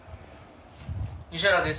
西原です。